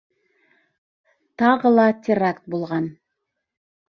«Тағы ла теракт булған».